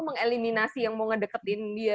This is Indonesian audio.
nge eliminasi yang mau ngedeketin dia